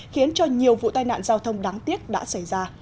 khiến cho nhiều vụ tai nạn giao thông đáng tiếc đã xảy ra